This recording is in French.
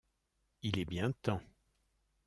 Il est bien temps !